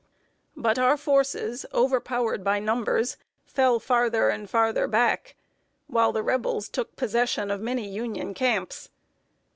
But our forces, overpowered by numbers, fell farther and further back, while the Rebels took possession of many Union camps.